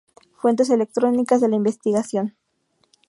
Fuentes electrónicas de la investigación.